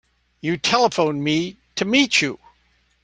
You telephoned me to meet you.